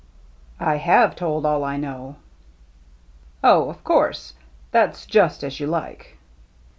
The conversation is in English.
" I have told all I know." " Oh, of course, — that's just as you like."